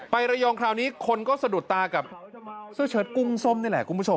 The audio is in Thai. ระยองคราวนี้คนก็สะดุดตากับเสื้อเชิดกุ้งส้มนี่แหละคุณผู้ชม